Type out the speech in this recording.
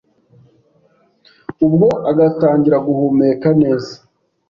ubwo agatangira guhumeka neza